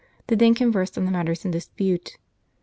They then conversed on the matters in dispute.